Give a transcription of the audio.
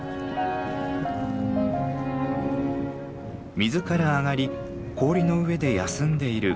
水から上がり氷の上で休んでいるコハクチョウ。